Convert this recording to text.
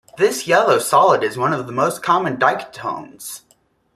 This yellow solid is one of the most common diketones.